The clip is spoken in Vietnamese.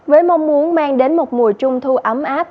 với mong muốn mang đến một mùa trung thu ấm áp